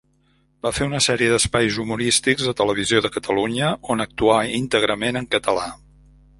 Va fer una sèrie d'espais humorístics a Televisió de Catalunya, on actuà íntegrament en català.